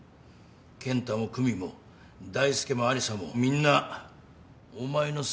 健太も久美も大介も有沙もみんなお前のせいで変わった。